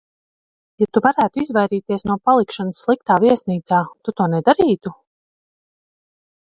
Ja tu varētu izvairīties no palikšanas sliktā viesnīcā, tu to nedarītu?